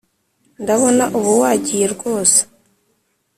ndabona ubu wagiye rwose.